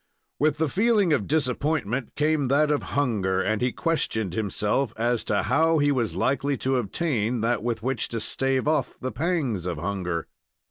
With the feeling of disappointment came that of hunger, and he questioned himself as to how he was likely to obtain that with which to stave off the pangs of hunger.